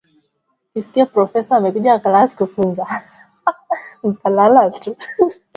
Umoja wa Mataifa ulionya dhidi ya chokochoko